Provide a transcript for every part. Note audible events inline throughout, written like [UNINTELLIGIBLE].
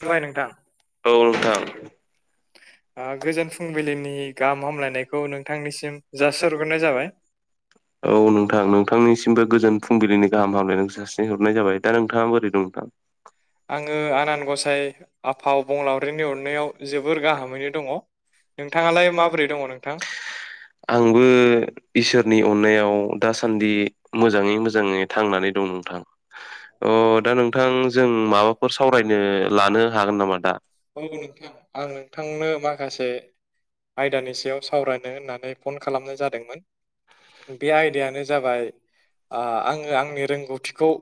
खुलुमबाय नोंथां औ नोंथां [INAUDIBLE] आ गोजोन फुंबिलिनि गाहाम हामलायनायखौ नोंथांनिसिम जासिहरग्रोनाय जाबाय। [INAUDIBLE] औ नोंथां नोंथांनिसिमबो गोजोन फुंबिलिनि गाहाम हामलायनायखौ जासि हरनाय जाबाय दा नोंथाङा बोरै दं नोंथां? आङो आनान गसाइ आफा अबंलावरिनि अननायाव जोबोर गाहामैनो दङ। नोंथाङालाय माबोरै दङ नोंथां? आंबो इसोरनि अननायाव दासान्दि मोजाङै मोजाङै थांनानै दं नोंथां अ दा नोंथां जों माबा फोर सावरायनो लानो हागोन नामा दा? औ औ नोंथां आं नोंथांनो माखासे आयदानि सायाव सावरायनो होननानै फन खालामनाय जादोंमोन। बे आयदायानो जाबाय ओ आङो आंनि रोंगौथिखौ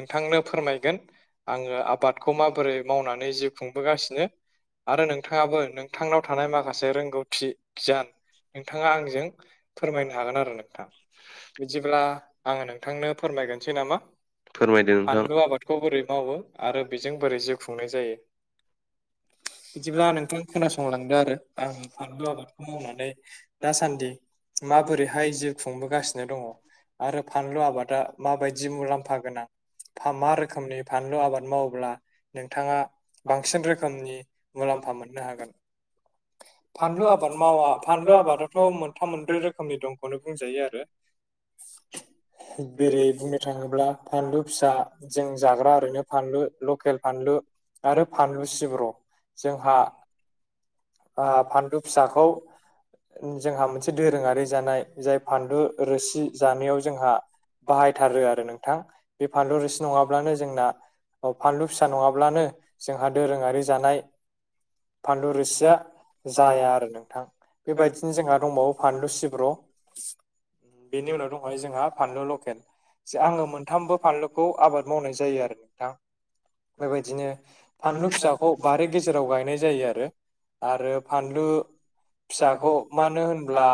नोंथांनो फोरमायगोन। आङो आबादखौ माबोरै मावनानै जिउ खुंबोगासि नो आरो नोंथाङाबो नोंथांनाव थानाय माखासे रोंगौथि गियान नोंथाङा आंजों फोरमायनो हागोन आरो नोंथां। बिदिब्ला आङो नोंथांनो फोरमायगोनसै नामा? फोरमायदो नोंथां। फानलु आबादखौ बोरै मावो आरो बेजों बोरै जिउ खुंनाय जायो। बिदिब्ला नोंथां खोनासंलांदो आरो आं फानलु आबादखौ मावनानै दासान्दि माबोरैहाय जिउ खुंबोगासिनो दङ। आरो फानलु आबादा माबायदि मुलाम्फा गोनां। फा मारोखोमनि फानलु आबाद मावोब्ला नोंथाङा बांसिन रोख खोमनि मुलाम्फा मोननो हागोन। फानलु आबाद मावा फानलु आबादाथ मोन थाम मोनब्रै रोखोमनि दंखौनो बुंजायो आरो बेरै बुंनो थाङोब्ला फानलु फिसा जों जाग्रा ओरैनो फानलु लकेल फानलु आरो फानलु सिब्र जोंहा ओ फानलु फिसाखौ जोंहा मोनसे दोरोङारि जानाय जाय फानलु रोसि जानायाव जोंहा बाहायथारो आरो नोंथां। बे फानलु रोसि नङाब्लानो जोंना अ फानलु फिसा नङाब्लानो जोंहा दोरोङारि जानाय फानलु रोसिया जाया आरो नोंथां। बेबायदिनो जोंहा दंबावो फानलु सिब्र'। बेनि उनाव दंहाय जोंहा फानलु लकेल। जा आङो मोनथामबो फानलुखौ आबाद मावनाय जायो आरो नोंथां बेबायदिनो फानलु फिसाखौ बारि गेजेराव गायनाय जायो आरो आरो फानलु फिसाखौ मानो होनब्ला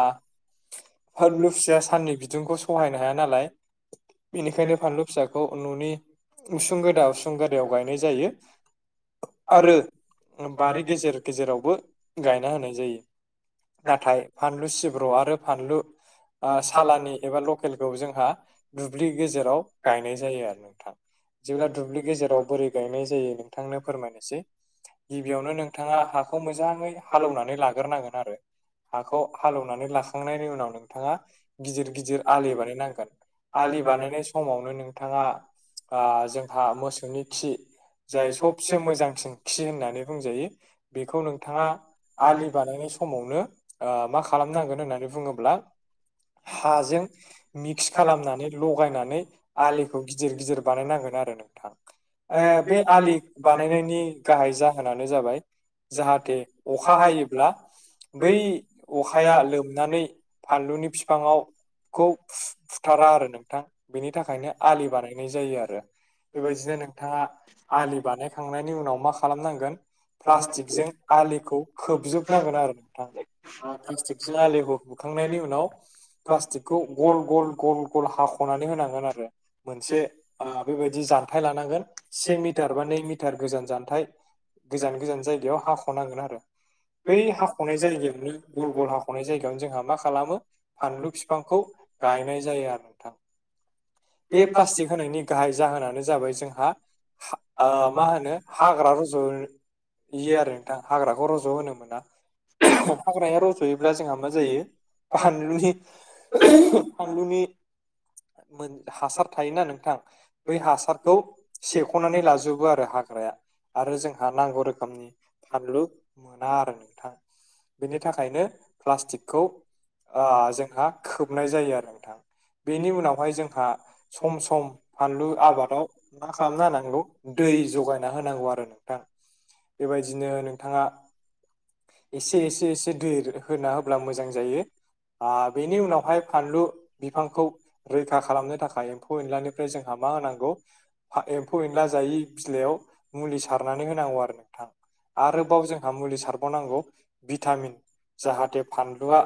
फानलु फिसाया साननि बिदुंखौ सहायनो हाया नालाय। बेनिखायनो फानलु फिसाखौ न'नि उसुं गोदा उसुं गोदायाव गायनाय जायो। आरो बारि गेजेर गेजेरावबो गायना होनाय जायो। नाथाय फानलु सिब्र' आरो फानलु ओ सालानि एबा लकेलखौ जोंहा दुब्लि गेजेराव गायनाय जायो आरो नोंथां। जेब्ला दुब्लि गेजेराव बोरै गायनाय जायो नोंथांनो फोरमायनोसै। गिबियावनो नोंथाङा हाखौ मोजाङै हालौवनानै लाग्रोनांगोन आरो हाखौ हालौनानै लाखांनायनि उनाव नोंथाङा गिदिर गिदिर आलि बानायनांगोन आलि बानायनाय बे समावनो नोंथाङा ओ जोंहा मोसौनि खि जाय सबसे मोजांसिन खि होननानै बुंजायो बेखौ नोंथाङा आलिबान नाय समावनो ओ मा खालामनांगोन होननानै बुङोब्ला हाजों मिक्स खालामनानै लगायनानै आलिखौ गिदिर गिदिर बानायनांगोन आरो नोंथां। ओ बे आलि बानायनायनि गाहाय जाहोनानो जाबाय जाहाथे अखा हायोब्ला बै अखाया लोमनानै फानलुनि बिफाङाव खौ फु-फुथारा आरो नोंथां बेनि थाखायनो आलि बानायनाय जायो आरो। बेबायदिनो नोंथाङा आलि बानायखांनायनि मा खालामनांगोन प्लास्टिकजों आलिखौ खोबजोबनांगोन आरो नोंथां। प्लास्टिकजों आलिखौ खोबखांनायनि उनाव प्लास्टिकखौ गल गल गल गल हाख'नानै होनांगोन आरो मोनसे ओ बेबायदि जथाय लानांगोन सेमि मिटार बा नै मिटार गोजान जानथ गोजान गोजान जायगायाव हाख'नांगोन आरो। बै हाख'नाय जायगायावनो गल गल हा ख'नाय जायगायावनो जोंहा मा खालामो फानलु बिफांखौ गायनाय जायो आरो नोंथां। बे प्लास्टिक होनायनि गाहाय जाहोनानो जाबाय जोंहा हा ओ मा होनो हाग्रा रज'यो आरो नोंथां हाग्राखौ रज' होनो मोना। हाग्राया रज'योब्ला जोंहा मा जायो बानलुनि फानलुनि मोन हासार थायोना नोंथां बै हासारखौ सेख'नानै लाजो बो आरो हाग्राया आरो जोंहा नांगौ रोखोमनि फानलु मोना आरो नोंथां। बेनि थाखायनो प्लास्टिकखौ ओ जोंहा खोबनाय जायो आरो नोंथां। बेनि उनावहाय जोंहा सम सम फानलु आबादाव मा खालामना होनांगौ दै जगायना होनांगौ आरो नोंथां बेबायदिनो नोंथाङा एसे एसे एसे दै होना होब्ला मोजां जायो। ओ बेनि उनावहाय फानलु बिफांखौ रैखा खालामनो थाखाय एम्फौ-एनलानिफ्राय जोंहा मा होनांगौ एम्फौ-एनला फोरा ऐ बिलाइआव मुलि सारनानै होनांगौ आरो नोंथां आरोबाव जोंहा मुलि सारबावनांगौ भिटामिन जाहाथे फानलुआ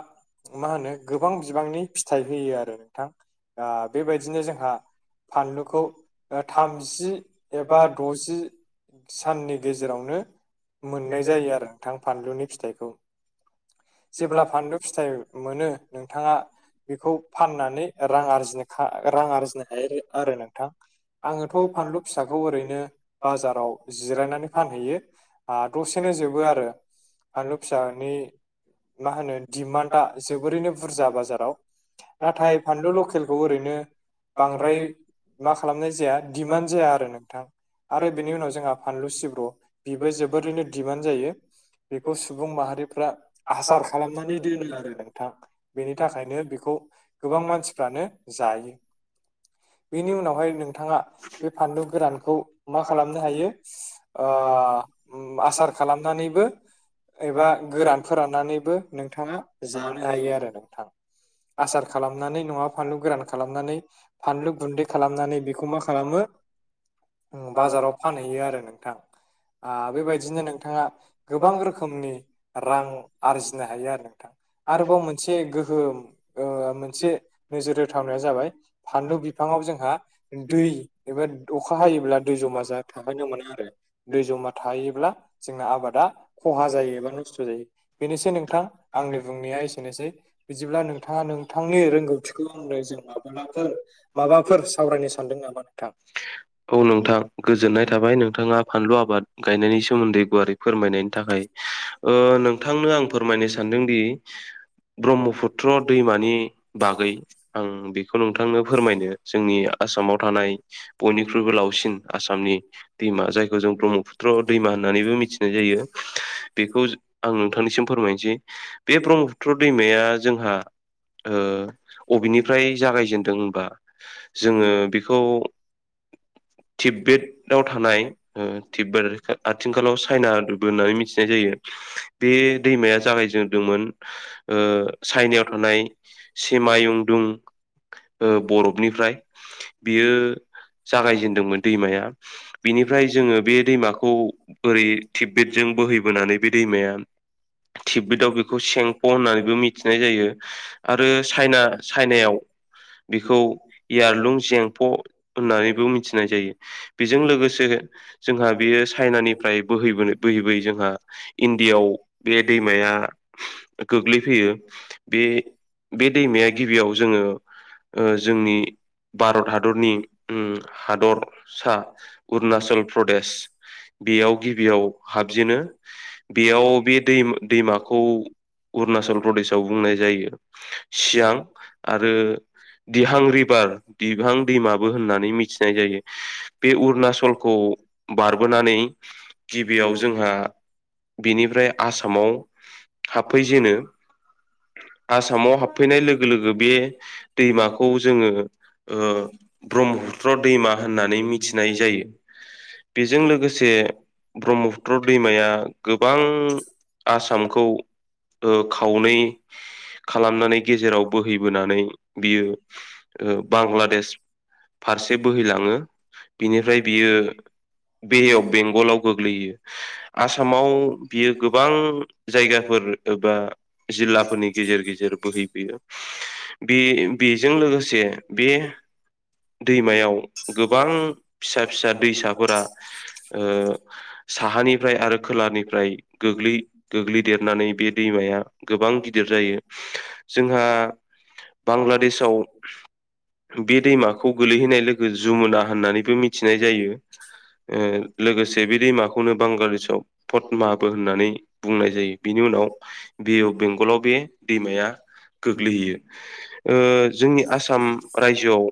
मा होनो गोबां बिबांनि फिथाइ होयो आरो नोंथां। ओ बेबायदिनो जोंहा फानलुखौ ओ थामजि एबा दजि साननि गेजेरावनो मोननाय जायो आरो नोंथां फानलुनि फिथाइखौ। जेब्ला फानलु फिथाइ मोनो नोंथाङा बेखौ फाननानै रां आरजिनो खा रां आरजिनो हायो आरो नोंथां। आङोथ' फानलु खौ ओरैनो बाजाराव जिरायनानै फानहैयो आ दसेनो जोबो आरो फानलु फिसानि मा होनो डिमान्दा जोबोरैनो बाजाराव। नाथाय फानलु लकेलखौ ओरैनो बांद्राय मा खालामनाय जाया नडिमान्द जाया आ रो नोंथां आरो बेनि उनाव जोंहा फानलु सिब्र' बेबो जोबोरैनो दिमान्ड जायो। बेखौ सुबुं माहारिफ्रा आसार खालामनानै दोनो आरो नोंथां बेनि थाखाय नो बेखौ गोबां मानसिफ्रानो जायो। बेनि उनावहाय नोंथाङा बे फानलु गोरानखौ मा खालामनो हायो। ओ उ आसार खालामनानैबो एबा गोरान फोराननानैबो नोंथाङा जानो हायो आरो नोंथां। आसार खालामनानै नङाबा फानलु गोरान खालामनानै फानलु गुन्दै। खालामनानै बेखौ मा खालामो बाजाराव फानहैयो आरो नोंथां। ओ बेबायदिनो नोंथाङा गोबां रोखोमनि रां आरजिनो हायो नोंथां। आरोबाव मोनसे गोहोम। ओ मोनसे नोजोर होथावनाया जाबाय फानलु बिफाङाव जोंहा दै। एबा अखा हायोब्ला दै जमा जाना थाफैनो मोना आरो दै जमा थाहैयोब्ला जोंना आबादा खहा जायो एबा नस्थ' जायो। बेनोसै नोंथां आंनि बुंनाया एसेनोसै। बिदिब्ला नोंथाङा नोंथांनि रोंगौथिखौ आंनो जों माबाफोर माबाफोर सावरायनो सानदों नामा नोंथां? औ नोंथां गोजोननाय थाबाय नोंथाङा फानलु आबाद गायनायनि सोमोन्दै गुवारै फोरमायनायनि थाखाय। ओ नोंथांनो आं फोरमायनो सानदोंदि। ब्रह्मपुत्र दैमानि बागै आं बेखौ फोरमायनो जोंनि जोंनि आसामाव थानाय यनिख्रुइबो लावसिन आसामनि दैमा जायखौ जों ब्रह्मपुत्र दैमा होननानैबो मिथिनाय जायो बेखौ आं नोंथांनिसिम फोरमायनोसै बे ब्रह्मपुत्र दैमाया जोंहा ओ बबेनिफ्राय जागायजेनदों होनबा जोंङो बेखौ थिबेद आव थानाय। थिग बार आथिंखालाव चाइना दबो होननानै मिथिनाय जायो। बे दैमाया जागायजेनदोंमोन। चाइनायाव थानाय सिमायुंदुं। ओ बरफनिफ्राय बियो जागायजेनदोंमोन दैमाया बिनिफ्राय जोंङो बे दैमाखौ ओरै थिक बेदजों बोहैबोनानै बे दैमाया थिक बेद आव बेखौ सेंफ' होननानैबो मिथिनाय जायो। आरो चाइना चाइनायाव बेखौ इयारलुं जेंफ' होननानैबो मिथिनाय जायो बेजों लोगोसे जोंहा बेयो चाइनानिफ्राय बोहैबोन बोहैबोयै जोंहा। इणडियाआव बे दैमाया गोग्लैफैयो। बे बे दैमाया गिबियाव जोंङो जोंनि भारत हादरनि। उ हादरसा अरुणाचल प्रदेश। बेयाव गिबियाव हाबजेनो। बेयाव बे दै दैमाखौ अरुनाचल प्रदेशआव बुंनाय जायो। सियां आरो दिहां रिभार दिहां दैमा। होननानै मिथिनाय जायो बे अरुनाचलखौ बारबोनानै गिबियाव जोंहा बिनिफ्राय आसामाव हाबफैजेनो। आसामाव हाबफैनाय लोगो लोगो बे दैमाखौ जोंङो ओ। ब्रह्मपुत्र दैमा होननानै मिथिनाय जायो बेजों लोगोसे ब्रह्मपुत्र दैमाया गोबां आसामखौ ओ खावनै खालामनानै गेजेराव बोहैबोनानै बियो ओ बांलादेश फारसे बोहैलाङो बिनिफ्राय बियो बे अफ बेंगलाव गोग्लैयो। आसामाव बियो गोबां जायगाफोर ओबा जिल्लाफोरनि गेजेर गेजेर बोहैबोयो। बे-बेजों लोगोसे बे दैमायाव गोबां फिसा फिसा दैसाफोरा ओ साहानिफ्राय आरो खोलानिफ्राय गोग्लै गोग्लैदेरनानै बे दैमाया गोबां गिदिर जायो जोंहा बांलादेशआव बे दैमा खौ गोलैहोनाय लोगो जमुना होननानैबो मिथिनाय जायो। ओ लोगोसे बे दैमाखौनो बांगालदेशआव पदमाबो होननानै बुंनाय जायो बिनि उनाव बे अफ बेंगलाव बे दैमाया गोग्लैहैयो। ओ जोंनि आसाम रायजोआव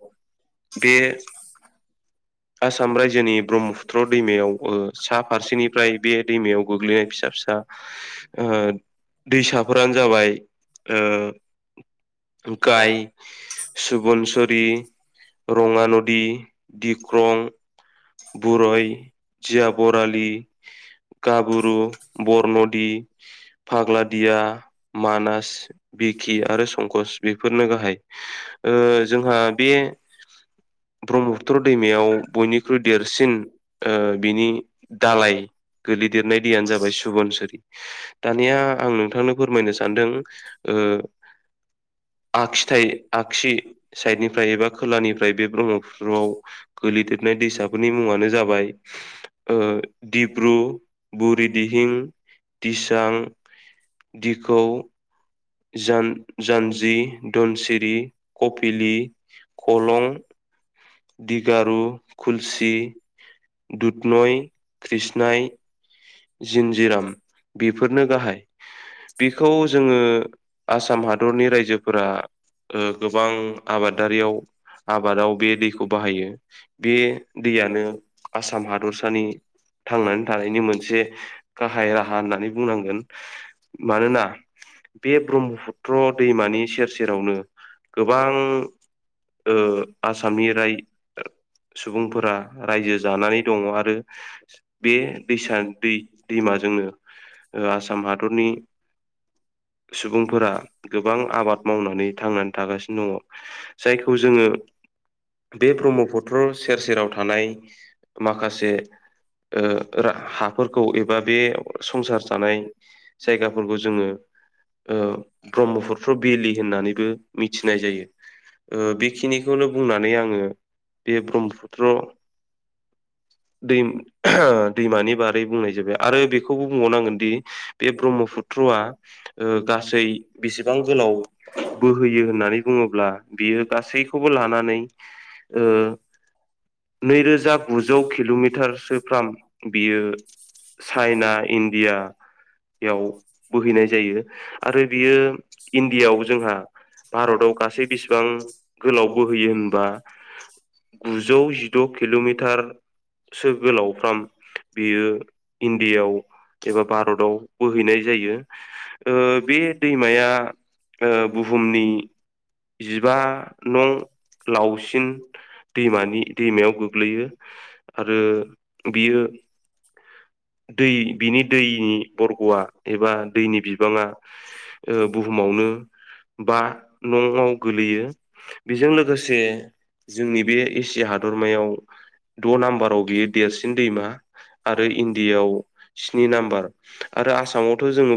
बे बे आसाम रायजोनि ब्रह्मफुत्र दैमायाव ओ सा फारसेनिफ्राय बे दैमायाव गोग्लैनाय फिसा फिसा ओ दैसाफोरानो जाबाय ओ [UNINTELLIGIBLE] सुबुनसरि रङा नदि, दिख्रं बुरय, जिया बरालि गाबुरु, बरनदि फाग्लादिया, मानास, बिखि आरो संकस बेफोरनो गाहाय। ओ जोंहा बे [UNINTELLIGIBLE] ब्रह्मपुत्र दैमायाव बयनिख्रुइ देरसिन ओ बिनि दालाय गोलैदेरनाय दैयानो जाबाय सुबनसरि। दानिया आं नोंथांनो फोरमायनो सानदों ओ आखसिथाइ आगसि साइडनिफ्राय एबा खोलानिफ्राय बे ब्रह्मपुत्रआव गोलैदेरनाय दैसाफोरनि मुङानो जाबाय ओ दिब्रु, बुरिदिहिं, दिसां दिखौ जान-जान्जि, धनसिरि, कपिलि कलं, दिगारु, खुलसि दुतनय, क्रिषनाय जिनजिराम बेफोरनो गाहाय बेखौ जोङो आसाम हादरनि रायजोफोरा ओ गोबां आबादारियाव आबादाव बे दैखौ बाहायो। बे दैयानो आसाम हादरसानि थांनानै थानायनि मोनसे गाहाय राहा होननानै बुंनांगोन मानोना बे ब्रह्मपुत्र दैमानि सेर सेरावनो गोबां ओ आसामनि राय सुबुंफोरा रायजो जानानै दङ आरो बे दैसा दै दैमाजोंनो ओ आसाम हादरनि सुबुंफोरा गोबां आबाद मावनानै थांनानै थागासिनो दङ। जायखौ जोङो बे ब्रह्मपत्र सेर सेराव थानाय माखासे ओ रा हाफोरखौ एबा बे संसार जानाय जायगाफोरखौ जोङो ओ ब्रह्मपुत्र बेलि होननानैबो मिथिनाय जायो। ओ बेखिनिखौनो बुंनानै आङो बे ब्रह्मपुत्र दै दैमानि बारै बुंनाय जाबाय आरो बेखौबो बुंबावनांगोन दि बे ब्रह्मपुत्रआ ओ गासै बेसेबां गोलाव‌ बोहोयो होननानै बुङोब्ला बियो गासैखौबो लानानै ओ नैरोजा गुजौ किल'मिटारसोफ्राम बियो। चाइना इण्डियाआव बोहैनाय जायो आरो बियो इण्डियाआव जोंहा भारताव गासै बिसिबां गोलाव बोहैयो होनबा? गुजौ जिद' किल'मिटार सो गोलावफ्राम बियो इण्डियाआव। एबा भारताव बोहैनाय जायो। ओ बे दैमाया ओ बुहुमनि जिबा नं लावसिन दैमानि दैमायाव गोग्लैयो आरो बियो दै बिनि दैनि बरग'आ एबा दैनि बिब बाङा बुहुमावनो बा नंआव गोलैयो। बेजों लोगोसे जोंनि बे एसिया हादरमायाव द' नाम्बाराव बेयो देरसिन दैमा आरो इण्डियाआव स्नि नाम्बार आरो आसामावथ' जोङो